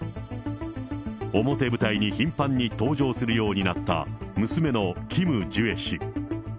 表舞台に頻繁に登場するようになった娘のキム・ジュエ氏。